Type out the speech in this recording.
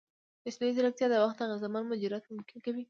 مصنوعي ځیرکتیا د وخت اغېزمن مدیریت ممکن کوي.